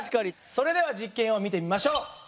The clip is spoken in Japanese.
それでは実験を見てみましょう。